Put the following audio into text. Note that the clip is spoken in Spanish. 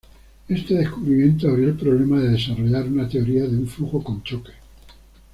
Este descubrimiento abrió el problema de desarrollar una teoría de un flujo con choques.